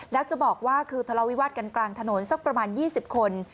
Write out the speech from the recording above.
แล้วจะบอกว่าคือทะเลาวิวาสกันกลางถนนสักประมาณ๒๐คน